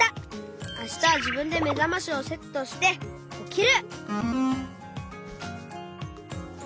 あしたはじぶんでめざましをセットしておきる！